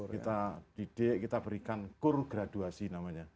kita didik kita berikan kur graduasi namanya